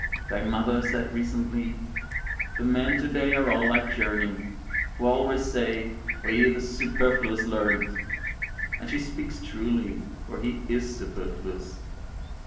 Thy mother said recently, "The men to day are all like Gerning, who always says, 'We, the superfluous learned';" and she speaks truly, for he is superfluous.